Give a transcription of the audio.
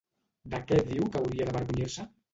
De què diu que hauria d'avergonyir-se?